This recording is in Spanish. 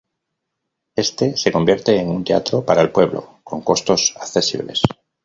Este se convierte en un teatro para el pueblo, con costos accesibles.